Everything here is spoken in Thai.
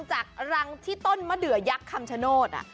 จากรังที่ต้นมะเดือยักษ์คำชโนธ